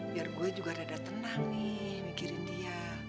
biar gue juga rada tenang nih mikirin dia